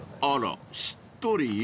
［あらしっとり？］